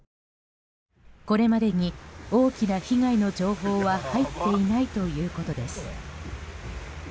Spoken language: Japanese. これまでに大きな被害の情報は入っていないということです。